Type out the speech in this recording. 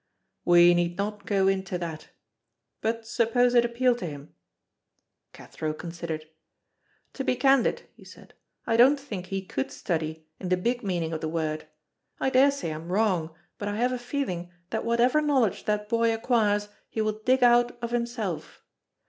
"We need not go into that. But suppose it appealed to him?" Cathro considered. "To be candid," he said, "I don't think he could study, in the big meaning of the word. I daresay I'm wrong, but I have a feeling that whatever knowledge that boy acquires he will dig out of himself.